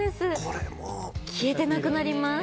消えてなくなります。